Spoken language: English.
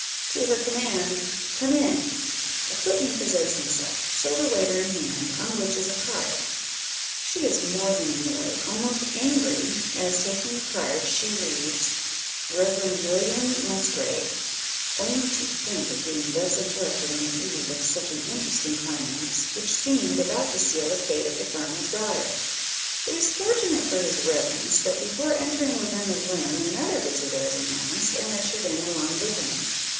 To her command "Come in!" a footman presents himself, silver waiter in hand, on which is a card. She is more than annoyed, almost angry, as taking the card, she reads "Reverend William Musgrave." Only to think of being thus interrupted on the eve of such an interesting climax, which seemed about to seal the fate of the farmer's daughter. It is fortunate for his Reverence, that before entering within the room another visitor is announced, and ushered in along with him.